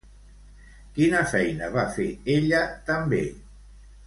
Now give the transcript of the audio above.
Quina feina va fer ella també?